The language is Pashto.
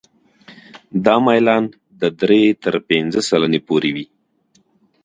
دا میلان د درې تر پنځه سلنې پورې وي